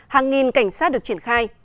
hàng nghìn cảnh sát được triển khai